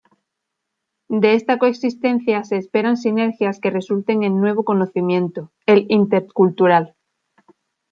De esta coexistencia se esperan sinergias que resulten en nuevo conocimiento, el intercultural.